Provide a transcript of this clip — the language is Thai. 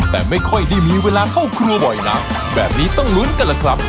แต่ไม่ค่อยได้มีเวลาเข้าครัวบ่อยนักแบบนี้ต้องลุ้นกันล่ะครับ